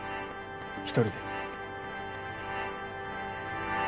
一人で。